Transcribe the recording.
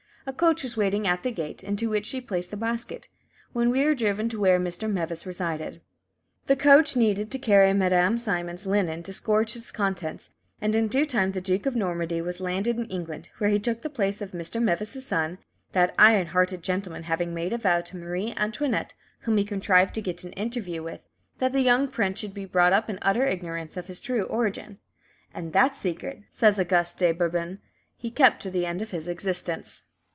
A coach was waiting at the gate, into which she placed the basket, when we were driven to where Mr. Meves resided. The coach needed to carry Madame Simon's linen disgorged its contents, and in due time the Duke of Normandy was landed in England, where he took the place of Mr. Meves' son, that iron hearted gentleman having made a vow to Marie Antoinette, whom he contrived to get an interview with, that the young prince should be brought up in utter ignorance of his true origin. And that secret," says "Auguste de Bourbon," "he kept to the end of his existence."